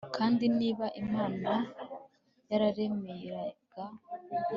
kandi, niba imana yaremereraga